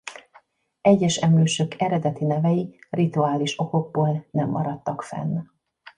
Egyes emlősök eredeti nevei rituális okokból nem maradtak fenn.